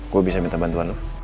gue bisa minta bantuan